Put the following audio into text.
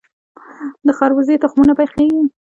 د خربوزې تخمونه پخیږي.